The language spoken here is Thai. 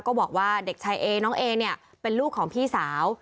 ก็บอกว่าเด็กชายเอน้องเอเนี่ยเป็นลูกของพี่สาว